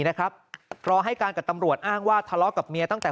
นะครับรอให้การกับตำรวจอ้างว่าทะเลาะกับเมียตั้งแต่